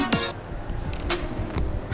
cepet terima kasih